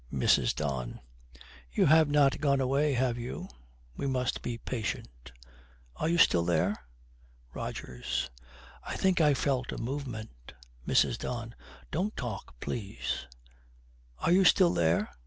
MRS. DON. 'You have not gone away, have you? We must be patient. Are you still there?' ROGERS. 'I think I felt a movement.' MRS. DON. 'Don't talk, please. Are you still there?'